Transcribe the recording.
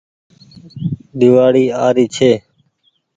ۮيوآڙي آ ري ڇي